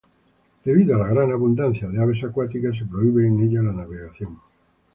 Debido a la gran abundancia de aves acuáticas, se prohíbe en ella la navegación.